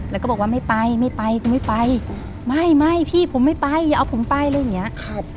แล้วก็บอกว่าไม่ไปไม่ไปกูไม่ไปไม่ไม่พี่ผมไม่ไปอย่าเอาผมไปอะไรอย่างเงี้ยครับ